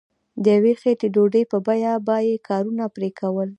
د یوې خیټې ډوډۍ په بیه به یې کارونه پرې کول.